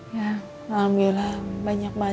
ya alhamdulillah banyak banyak